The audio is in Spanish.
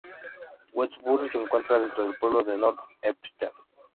Westbury se encuentra dentro del pueblo de North Hempstead.